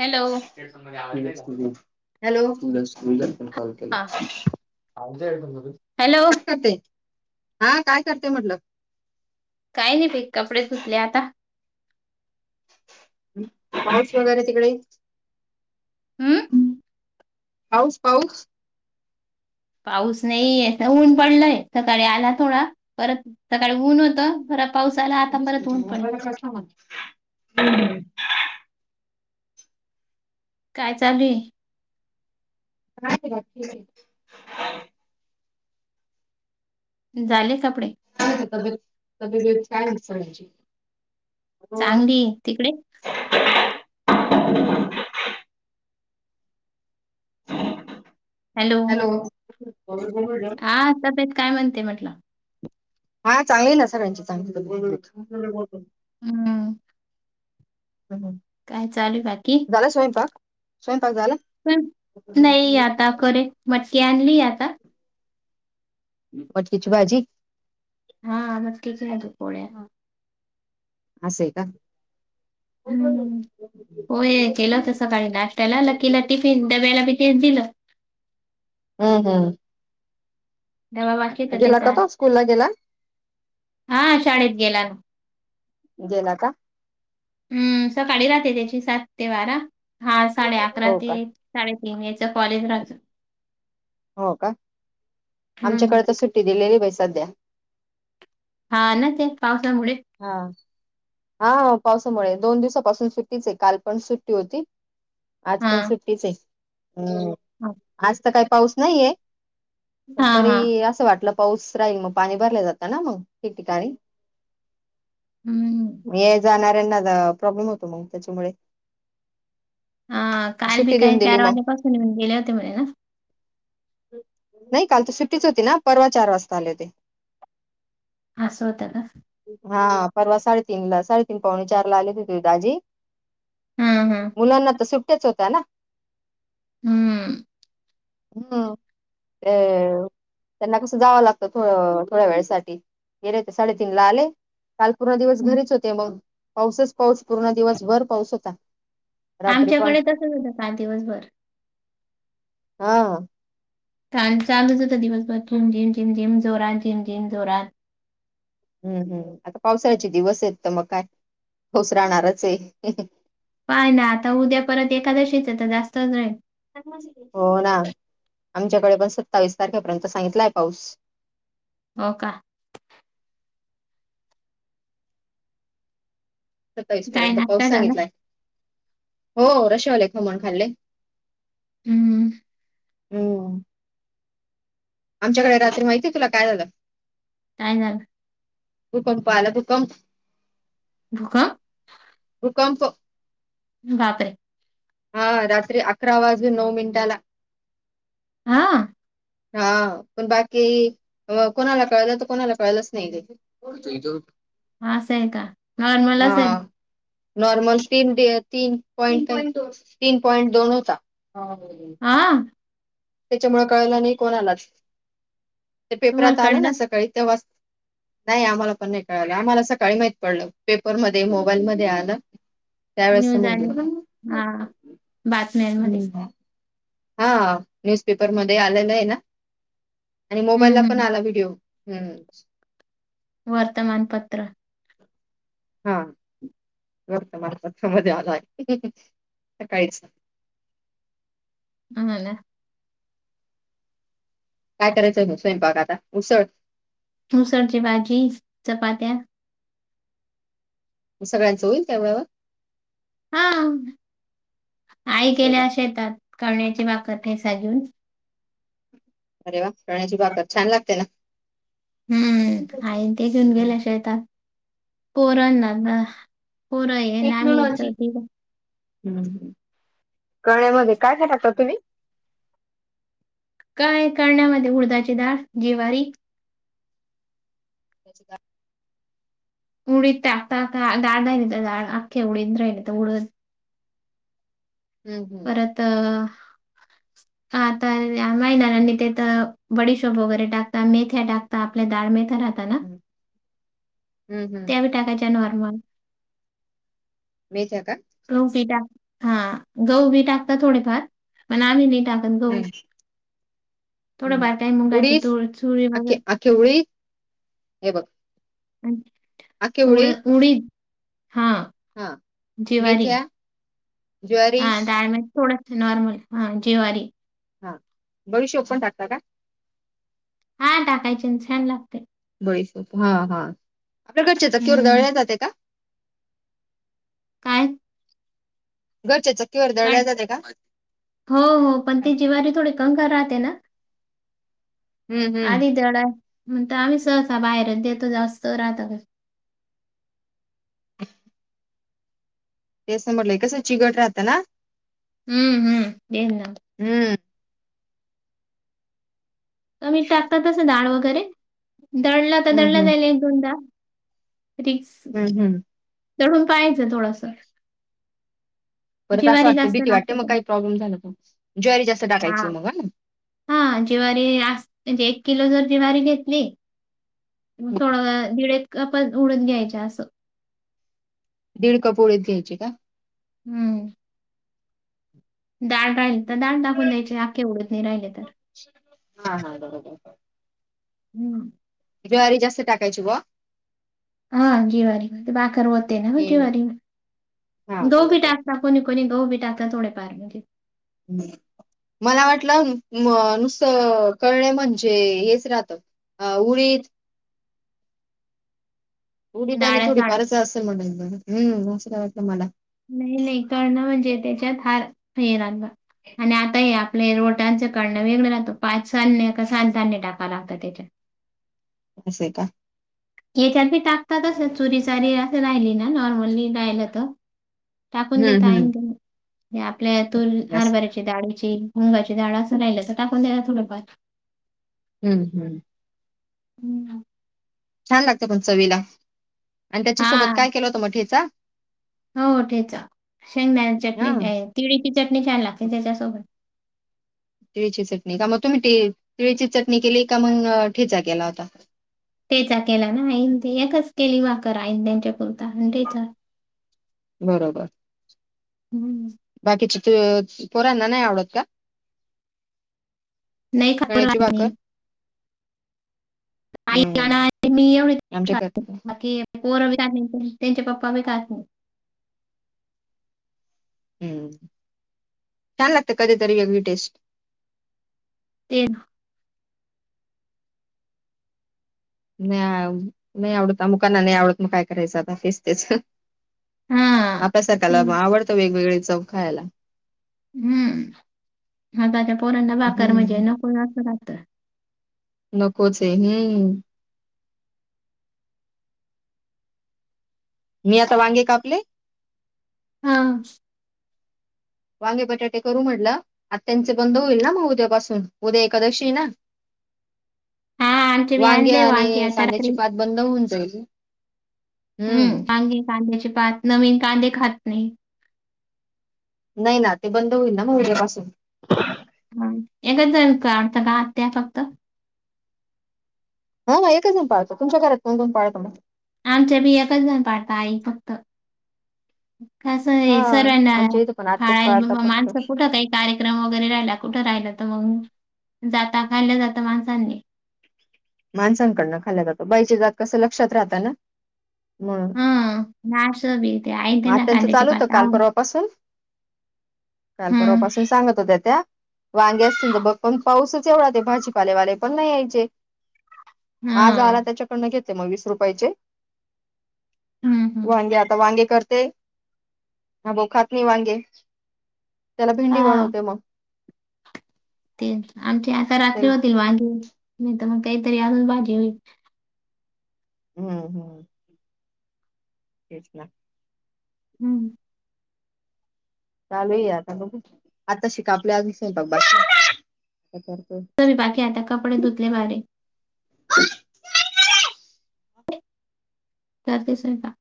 Hello! ! एक सांग माझा आवाज येतोय तुझ्याच तुझी हॅलो काय तुलाच तुझ्याला पण कॉल केलाय. हा! आवाज [unintelligible] फक्त ते हा! काय करतेय म्हटलं? काय नाही ताई कपडे धुतले आता. हम्म पाऊस वगैरे तिकडे? हम्म! ! पाऊस पाऊस पाऊस नाहीे आहे इथं! ऊन पडलंय सकाळी आला थोडा परत सकाळी ऊन होतं! परत पाऊस आला आता परत ऊन पडलं! [unintelligible] [inaudible] हम्म [inaudible] काय चालूये? काय बघा [unintelligible] [inaudible] झाली कपडे? अजून अजून एक साडी आहे चोळायची. चांगली आहे तिकडे? हॅलो आवाज येतोय काय? हा! तब्येत काय म्हणते म्हटलं! हा! चांगली आहे ना सगळ्यांची चांगली तब्येत! ! हम्म अहं काय चालू आहे बाकी? स्वयंपाक झाला नाही-नाही आता करेन, मटकी आणलीये आता. मटकीची भाजी हा मटकीची भाजी पोळ्या असं आहे का? हम्म.... पोहे केलं होत सकाळी नाष्ट्याला लकिला टिफिन डब्याला बी तेचं दिलं. हो- हो डबा बाकी आहे का गेला त्याचा आज?, तो स्कूल ला गेला हा.. शाळेत गेला ना गेला का? हम्म.... सकाळी राहते त्याची सात ते बारा हा साडे अकरा हो ते का एक साडेतीन याच्या कॉलेज राहत. हो का? हम्म आमच्याकडे तर सुट्टी दिलेली बाई सध्या. हा ना.... ते पावसामुळे हा. हा पावसामुळे दोन दिवसापासून सुट्टीच आहे, काल पण सुट्टी होती. आज हा पण सुट्टीच आहे., अं हा आज तर काही पाऊस नाहीये पण हा हा. तरी असं वाटलं पाऊस राहील मग, पाणी भरल्या जातं ना मंग ठिकठिकाणी हम्म येणाऱ्या जाणाऱ्यांना प्रॉब्लेम होतो मंग त्याच्यामुळे अं काल बी सुट्टी देऊन काय दिली चार मग वाजेपासून येऊन गेले होते म्हणे न? नाही काल तर सुट्टीच होती ना, परवा चार वाजता आले ते. असं होतं का? हा परवा साडेतीनला, साडेतीन पावणे, चारला आले होते ते दाजी हम्-हम मुलांना त सुट्ट्याच होत्या ना हम्म म्ं ते [inaudible] त्यांना कसं जावं लागतं थो-थोड्या वेळासाठी गेले ते साडेतीनला आले. काल पूर्ण दिवस हम्म. घरीच होते. मग, पाऊसच पाऊस पूर्ण दिवस भर पाऊस होता. रात्री पण आमच्याकडे तसंच होतं काल दिवसभर. हा चालूच होता दिवसभर झिम- झिम- झिम -झिम जोरात झिम- झिम जोरात हम्म- हम्म आता पावसाळ्याचे दिवस आहेत त मग काय पाऊस राहणारचे हुं-हुं पाय ना आता उद्या परत एकादशीचं त जास्तच राहील. हो ना आमच्याकडे पण सत्तावीस तारखेपर्यंत सांगितलाय पाऊस. हो का? सत्तावीस काय पर्यंत पाऊस नाश्ता झाला? सांगितलाय, हो रशावाले खमण खाल्ले. हम्म हम्म आमच्याकडे रात्री माहितीये तुला काय झालं? काय झालं? भूकंपं आला भूकंप भूकंप भुकंपं बापरे! हां. रात्री अकरा वाजून नऊ मिनटाला. हां? हां. पण बाकी अ कोणाला कळलं त कोणाला कळलंच नाही ते. [unintelligible] असंय का? नॉर्मल असल? हां, नॉर्मल तीन ते तीन तीन पॉईंट तीन पॉईंट दोन होता. [unintelligible] आं? त्याच्यामुळं कळलं नाही कोणालाच. ते तुम्हाला पेपरात आलं ना कळलं सकाळी तेव्हाच. नाई आम्हाला पण नाई कळालं. आम्हाला सकाळी माहित पडलं. पेपरमध्ये मोबाईल मध्ये आलं. त्यावेळेस न्यूज आणि समजलं. हां. बातम्यांमध्ये. हं. हां. न्यूजपेपरमध्ये आलेलंय ना? आणि मोबाईलला हं, पण हं. आला व्हिडिओ. हम्म. वर्तमानपत्र. हां. वर्तमानपत्रामध्ये आलाय सकाळीच. [unintelligible] काय करायचंय म स्वयंपाक आता? उसळ. उसळची भाजी. चपात्या. सगळ्यांचं होईल त्याव- हां. आई गेल्या शेतात कळण्याची भाकर ठेसा घेऊन. अरे वा! कळण्याची भाकर छान लागते ना? हम्म. आईन् ते घेऊन गेल्या शेतात. पोरांना ना- पोरं आहे ना आमिच [unintelligible] हम्. कळण्यामध्ये काय काय टाकता तुम्ही? काय कळण्यामध्ये उडदाची डाळ, जिवारी. उडदाची डाळ. उडीद टाकता का का डाळ राहिली तर डाळ. आख्खे उडिद राहिले तर उडद. हं. हं. परत अ, नाही ना. आम्ही ते त बडिशोप वगैरे टाकता. मेथ्या टाकता. आपल्या डाळ मेथ्या राहता ना? हम्म. हम्म. हम्म. त्या टाकायच्या आन वरन. मेथ्या का? गहू बी टाक, हां. गहू बी टाकतात थोडेफार. पण आम्ही नाही टाकत गहू. हम्म थोड हम्म बारकाई मुगाची, उडीद तुर, चुळी आखे वगैर. आखे उडीद हे बघ उड उडीद हा. हा जिवारी. मेथ्या ज्वारी हा डाळ म कोडं - नॉर्मल हा जीवारी. हां. बडीशोप पण टाकता का? हां. टाकायचे ना. छान लागतंय. बडीशेप. हां. हां. आपल्या घरच्या चक्कीवर हं, दळल जाते का? काय? घरच्या चक्कीवर पण दळल्या जाते का? हो. हो. पण ती जिवारी थोडी कंकर राहते ना? हम्म हम्म आधी [unintelligible] आम्ही सहसा बाहेरचं देतो जास्त राहता का. [unintelligible] तेच म्हटलंय कसं चिगट राहतं ना. हम्म हम्म [unintelligible] हम्म तुम्ही टाकता तसं डाळ वगैरे दळलं आता हम्म दळलं हम्म जाईल एक दोनदा [unintelligible] हम्म हम्म दळून पाहायचं थोडसं परत असं वाटतं जास्त भीती वाटते लागते मग पण. काही प्रॉब्लेम झाला तर ज्वारी जास्त टाकायची मग हा हा ज्वारी अस म्हणजे एक किलो जर ज्वारी घेतली थोडं दीड एक कप उडद घ्यायच्या असं दीड कप उडीद घ्यायची का हम्म डाळ राहिली तर डाळ टाकुन द्यायची आक्खी उडद नाही राहिली तर हा हा बरोबर बरोबर हम्म ज्वारी जास्त टाकयची बुवा हा ज्वारी भाकर होते ना आणि ज्वारी, हा गहू बी बरोबर टाक [unintelligible] गहू बी टाका थोडे फार म्हणजे मला वाटलं अ नुसतं करळणे म्हणजे हेच राहत. अ उडीद. उडीद आणि थोडी डाळ्या-साळ्या फारच असेल म्हणून हम्म असं काय वाटल मला नाही नाही करळणं म्हणजे त्याच्यात हार हे राहत आणि आता ह्या आपले रोटांचं करळण वेगळं लागतं पाच धान्य का सात धान्य टाकाव लागत त्याच्यात. असय का! तेचात बी टाकतात असं चुरी चारी असं राहिली ना नॉर्मली राहिलं तर टाकून देता हम्म आहे हम्म ना तुम्ही आपल्या ह्यातून असं हारबऱ्याची डाळीची मुंगाची डाळ असं राहिलं अस टाकून द्या ना थोडफार हम्म हम्म हम्म छान लागत पण चवीला आणि त्याच्यासोबत हा काय केलं होतं मग ठेचा हो ठेचा शेंगदाना हा चटणी काय तिळीची चटणी छान लागते त्याच्यासोबत तिळीची चटणी का, मग तुम्ही तिळीची चटणी केली का मग ठेचा केला होता? ठेचा केला ना आईनी ते एकच केली भाकर आईन त्यांच्या पुरता आणि ठेचा. बरोबर हम्म बाकी चि पोरांना नाही आवडत का? नाही कळ्याची भाकर [unintelligible] हम्म [unintelligible] आमच्या करतात बाकी पोर बी खात नाही त्यांचे पप्पा बी खात नाही हम्म छान लागते कधीतरी वेगळी टेस्ट. [unintelligible] नाही नाही आवडत मुकांना नाही आवडत मग काय करायचं आता तेचतेच हा ते आपल्यासारख्याला आवडतं वेगवेगळे चव खायला हम्म आताच्या पोरांना भाकर म्हणजे हम्म नको अस राहत नकोच हे हम्म मी आता वांगे कापले हा वांगे बटाटे करू म्हटलं आता त्यांचे बंद होईल ना मग उद्यापासून उद्या एकादशी ना,, हा आमचे बी वांग्या आणले वांगे आणि आता रात्री कांद्याची पात बंद होऊन जाईल हम्म कांदे कांद्याचे पात नवीन कांदे खात नाही नाही ना ते बंद होईल ना मग उद्यापासून ह एकच जा का आवडतं का आ्या फक्त हां म एकच प पाळत तुमच्या घरात दोन दोन पाळतो आमच्या बियाएक पाडता आई फक्त कसं हा हे सर्वांना आमच्या इथं पण आत्याच पाळतात फाळायला फक्त माणसं कुठं काही कार्यक्रम वगैरे राहिला कुठं राहिला. तर मग जाता खाल्लं जातं माणसांनी माणसांकडनं खाल्ल्या जातो बाईचे जात कसं लक्षात राहत ना मग नाचोबी ते ऐकते ना आत्याचं कांद्याची चालू होतं पात काल आवडत. परवा पासून काल परवा हं, पासून सांगत होत्या त्या वांगे असतील तर बघ पण पाऊसच एवढा ते भाजीपालेवाले पण नाही यायचे- आज आला हां. त्याच्याकडनं घेते मग वीस रुपयाचे- हं, हं. वांगे आता वांगे करते अ भाऊ खात नाही वांगे त्याला भेंडी हां, बनवते मग ते आमची आता रात्री होतील भाजी नाही तर मग काहीतरी अजून भाजी होईल हो हो तेच ना हम्म चालू आहे आता बघ आता शिका आपल्यास बत तरी बाकी आता कपडे धुतले बरे करतेस का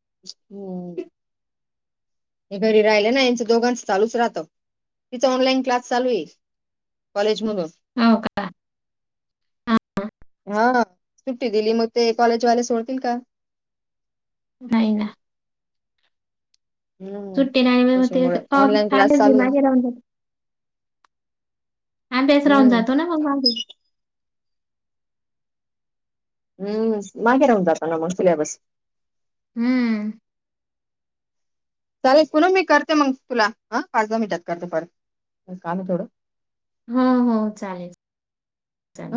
हो हे घरी राहिलं ना यांचं दोघांच चालूच राहत तिचा ऑनलाईन क्लास चालू आहे- कॉलेज मधून हो का? हां, हा सुट्टी दिली मग ते कॉलेजवाले सोडतील का नाही ना हम्म सुट्टी नाही मी म्हणते त्याच्यामुळे ऑनलाईन क्लास चालू आहे अभ्यास राहून हम्म जातो ना मग हम्म मागे राहून जाता ना मग सिल्याबस हम्म चालेल तुल ना मी करते मग तुला हा पाच दहा मिनटात करते परत काम आहे थोडं ह हो चालेल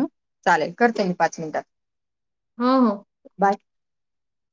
ह चालेल करते मी पाच मिनिटात हो हो बाय